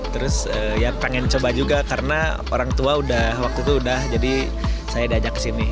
terus ya pengen coba juga karena orang tua udah waktu itu udah jadi saya diajak ke sini